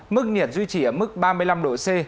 mức nhiệt duy trì ở mức ba mươi năm độ c